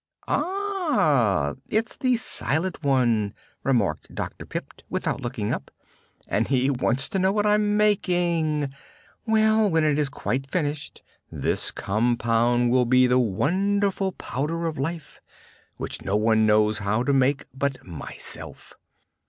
"Ah, it's the Silent One," remarked Dr. Pipt, without looking up, "and he wants to know what I'm making. Well, when it is quite finished this compound will be the wonderful Powder of Life, which no one knows how to make but myself.